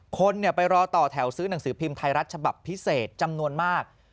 คนไปรอต่อแถวซื้อหนังสือพิมพ์ไทยรัฐฉบับพิเศษจำนวนมาก